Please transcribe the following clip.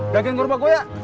daging kerupuk gue ya